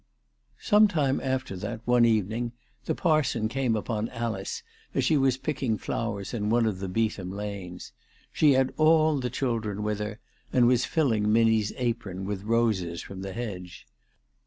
Some time after that, one evening, the parson came ALICE DUGKDALE. 359 upon Alice as she was picking flowers in one of the Beetham lanes. She had all the children with her, and was filling Minnie's apron with roses from the hedge.